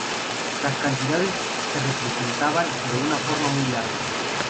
Las cantidades se representaban de una forma muy larga.